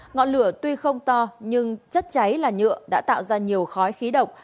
ngọn lửa tuy không to nhưng chất cháy là nhựa đã tạo ra nhiều khói khí độc